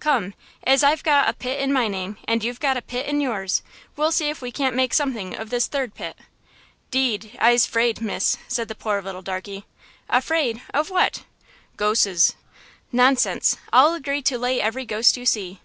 "Come, as I've got a 'pit' in my name and you've got a 'pit' in yours, we'll see if we can't make something of this third 'pit.'" "Deed, I'se 'fraid, Miss," said the poor little darkey. "Afraid! What of?" "Ghoses." "Nonsense. I'll agree to lay every ghost you see!"